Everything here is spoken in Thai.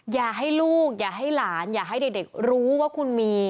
อย่าให้ลูกอย่าให้หลานอย่าให้เด็กรู้ว่าคุณมี